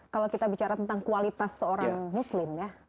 kalau kita bicara tentang kualitas seorang muslim ya